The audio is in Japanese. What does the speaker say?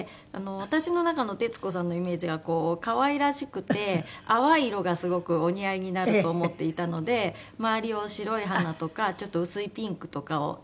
私の中の徹子さんのイメージはこう可愛らしくて淡い色がすごくお似合いになると思っていたので周りを白い花とかちょっと薄いピンクとかを入れて。